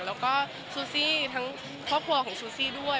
แล้วก็ซูซี่ทั้งครอบครัวของซูซี่ด้วย